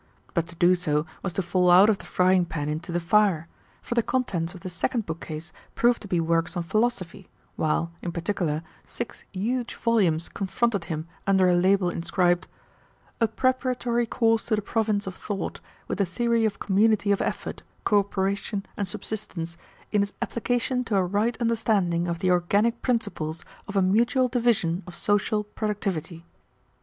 But to do so was to fall out of the frying pan into the fire, for the contents of the second bookcase proved to be works on philosophy, while, in particular, six huge volumes confronted him under a label inscribed "A Preparatory Course to the Province of Thought, with the Theory of Community of Effort, Co operation, and Subsistence, in its Application to a Right Understanding of the Organic Principles of a Mutual Division of Social Productivity."